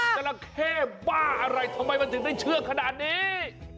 จราเข้บ้าอะไรทำไมมันถึงได้เชื่อขนาดนี้